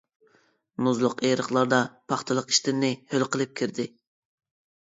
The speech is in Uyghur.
مۇزلۇق ئېرىقلاردا پاختىلىق ئىشتىنىنى ھۆل قىلىپ كىردى.